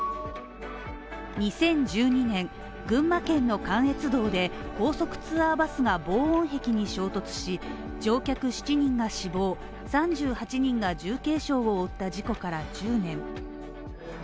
２０１２年、群馬県の関越道で高速ツアーバスが防音壁に衝突し、乗客７人が死亡、３８人が重軽傷を負った事故から１０年。